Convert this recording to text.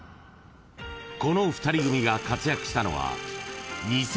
［この２人組が活躍したのは］